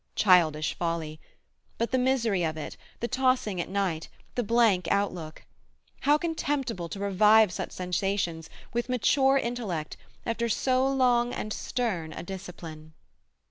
Childish folly! but the misery of it, the tossing at night, the blank outlook! How contemptible to revive such sensations, with mature intellect, after so long and stern a discipline!